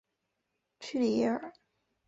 屈里耶尔。